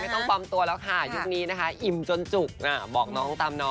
ไม่ต้องตอบตัวละค่ะบอกนี้อิ่มจนจุกค่ะ